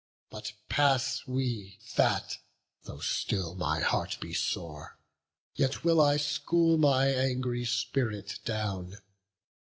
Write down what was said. But pass we that; though still my heart be sore, Yet will I school my angry spirit down.